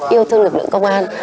yêu thương lực lượng công an